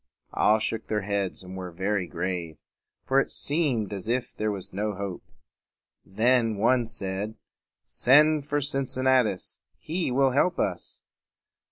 All shook their heads and were very grave; for it seemed as if there was no hope. Then one said, "Send for Cincinnatus. He will help us."